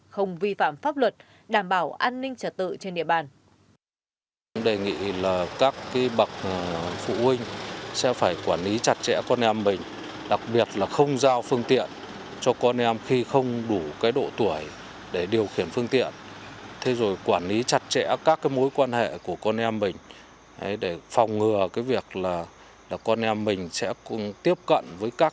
không vi phạm pháp luật đảm bảo an ninh trật tự trên địa bàn